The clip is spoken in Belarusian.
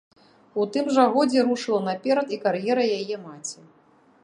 У тым жа годзе рушыла наперад і кар'ера яе маці.